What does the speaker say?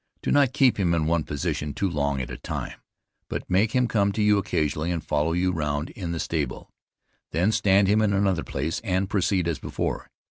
Do not keep him in one position too long at a time, but make him come to you occasionally and follow you round in the stable. Then stand him in another place, and proceed as before.